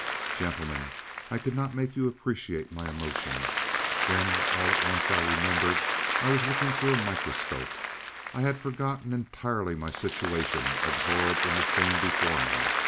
"Gentlemen, I cannot make you appreciate my emotions, when all at once I remembered I was looking through a microscope. I had forgotten entirely my situation, absorbed in the scene before me.